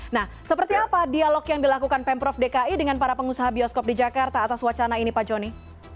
nah seperti apa dialog yang dilakukan pemprov dki dengan para pengusaha bioskop di jakarta atas wacana ini pak joni